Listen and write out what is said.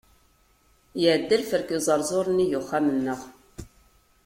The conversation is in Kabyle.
Iɛedda lferk uẓerzur nnig uxxam-nneɣ.